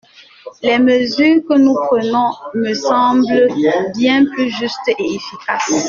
Les mesures que nous prenons me semblent bien plus justes et efficaces.